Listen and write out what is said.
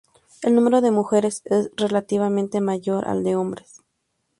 El número de mujeres es relativamente mayor al de hombres.